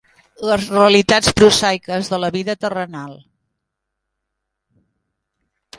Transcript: Les realitats prosaiques de la vida terrenal.